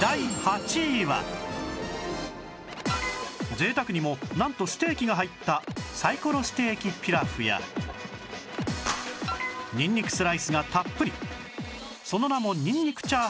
贅沢にもなんとステーキが入ったサイコロステーキピラフやにんにくスライスがたっぷりその名もにんにく炒飯など